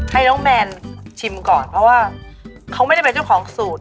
ให้น้องแมนชิมก่อนเพราะว่าเขาไม่ได้เป็นเจ้าของสูตร